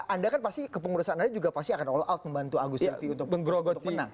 anda kan pasti kepengurusan anda juga pasti akan all out membantu agus silvi untuk menang